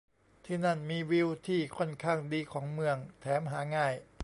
ที่นั่นมีวิวที่ค่อนข้างดีของเมือง แถมหาง่าย